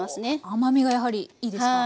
甘みがやはりいいですか？